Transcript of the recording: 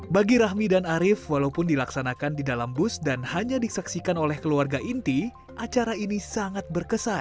bagi rahmi dan arief walaupun dilaksanakan di dalam bus dan hanya disaksikan oleh keluarga inti acara ini sangat berkesan